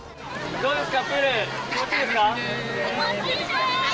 どうですか？